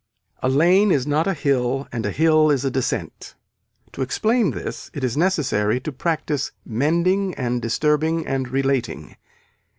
A lane is not a hill and a hill is a descent. To explain this it is necessary to practice mending and disturbing and relating.